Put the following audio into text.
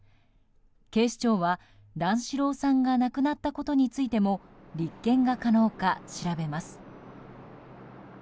警視庁は、段四郎さんが亡くなったことについても立件が可能か調べます。